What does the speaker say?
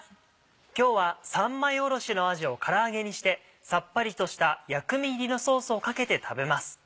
今日は三枚おろしのあじをから揚げにしてサッパリとした薬味入りのソースをかけて食べます。